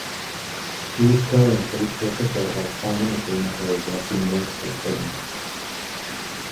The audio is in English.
She is currently professor of dynamical meteorology at the University of Reading.